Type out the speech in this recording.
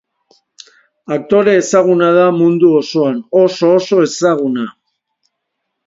Aktore ezaguna da, mundu osoan oso-oso ezaguna.